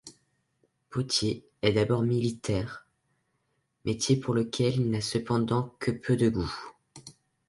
Potier, est d’abord militaire, métier pour lequel il n’a cependant que peu de goût.